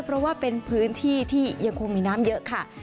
เพราะว่าเป็นพื้นที่ที่ยังคงมีน้ำเยอะค่ะ